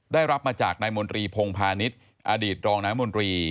ได้รับมาจากนายมนตรีพงพาณิชย์อดีตรองนายมนตรี